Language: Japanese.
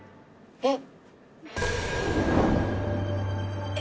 えっ。